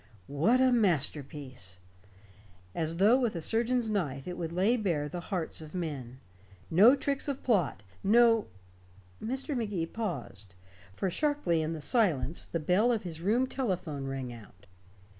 What a masterpiece! As though with a surgeon's knife it would lay bare the hearts of men. No tricks of plot, no Mr. Magee paused. For sharply in the silence the bell of his room telephone rang out.